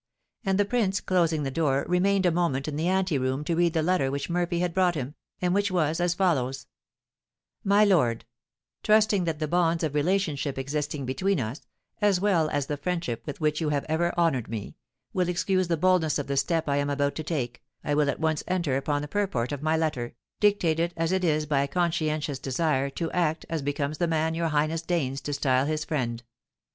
And the prince, closing the door, remained a moment in the ante room to read the letter which Murphy had brought him, and which was as follows: "My Lord: Trusting that the bonds of relationship existing between us, as well as the friendship with which you have ever honoured me, will excuse the boldness of the step I am about to take, I will at once enter upon the purport of my letter, dictated as it is by a conscientious desire to act as becomes the man your highness deigns to style his friend.